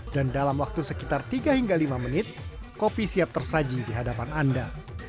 dan dalam waktu sekitar tiga hingga lima menit kopi siap tersaji di hadapan anda